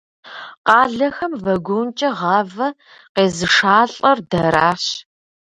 Къалэхэм вагонкӏэ гъавэ къезышалӏэр дэращ.